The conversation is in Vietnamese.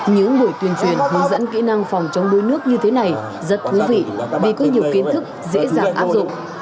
những buổi tuyên truyền hướng dẫn kỹ năng phòng chống đuối nước như thế này rất thú vị vì có nhiều kiến thức dễ dàng áp dụng